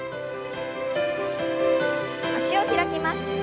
脚を開きます。